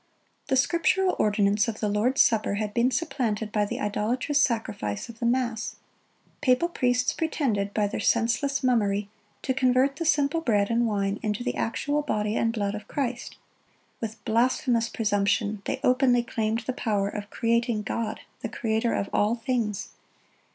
(93) The scriptural ordinance of the Lord's supper had been supplanted by the idolatrous sacrifice of the mass. Papal priests pretended, by their senseless mummery, to convert the simple bread and wine into the actual "body and blood of Christ."(94) With blasphemous presumption, they openly claimed the power of creating God, the Creator of all things.